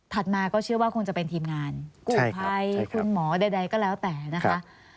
มาก็เชื่อว่าคงจะเป็นทีมงานกู้ภัยคุณหมอใดก็แล้วแต่นะคะ